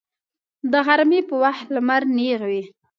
د غرمې په وخت لمر نیغ وي